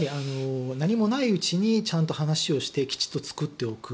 何もないうちにちゃんと話をしてきちっと作っていく。